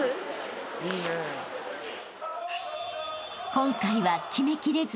［今回は決めきれず］